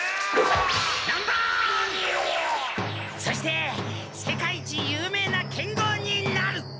そして世界一有名な剣豪になる！